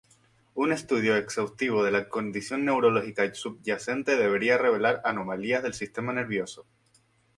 Un estudio exhaustivo de la condición neurológica subyacente debería revelar anomalías del sistema nervioso.